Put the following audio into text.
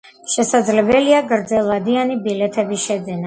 შესაძლებელია გრძელვადიანი ბილეთების შეძენა.